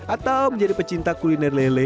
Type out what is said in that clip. atau menjadi pecinta kuliner lele